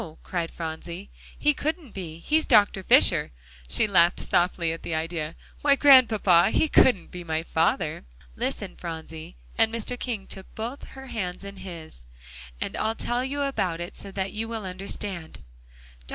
cried Phronsie, "he couldn't be; he's Dr. Fisher." She laughed softly at the idea. "Why, Grandpapa, he couldn't be my father." "Listen, Phronsie," and Mr. King took both her hands in his, "and I'll tell you about it so that you will understand. Dr.